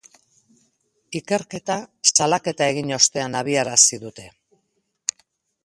Ikerketa salaketa egin ostean abiarazi dute.